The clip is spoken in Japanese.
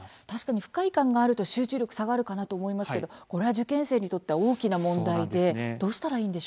確かに不快感があると集中力が下がるかなと思いますがこれは受験生にとって大きな問題ですね